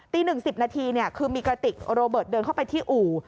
๑๐นาทีคือมีกระติกโรเบิร์ตเดินเข้าไปที่อู่